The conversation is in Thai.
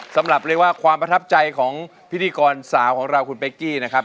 สำหรับเรียกว่าความประทับใจของพิธีกรสาวของเราคุณเป๊กกี้นะครับ